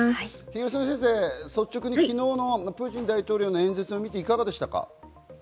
東野先生、率直に昨日のプーチン大統領の演説を見ていかがでしたか？